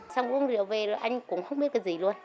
xong uống rượu về rồi anh cũng không biết cái gì luôn